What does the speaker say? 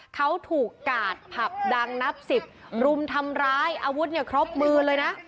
เขาถูกกาดผับดังนับสิบรุมทำร้ายอาวุธเนี่ยครบมือเลยนะ